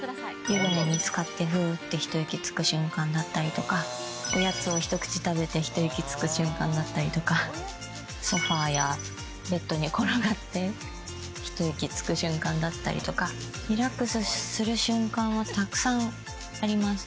湯船につかって、ふーって一息つく瞬間ですとか、おやつを一口食べて一息つく瞬間だったりとか、ソファやベッドに転がって一息つく瞬間だったりとか、リラックスする瞬間はたくさんあります。